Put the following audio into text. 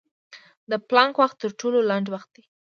د پلانک وخت تر ټولو لنډ وخت دی.